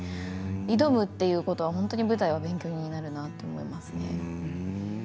挑むということは本当に舞台は勉強になるなと思いますね。